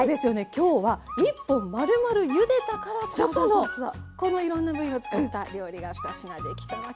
今日は１本まるまるゆでたからこそのこのいろんな部位を使った料理が２品できたわけですもんね。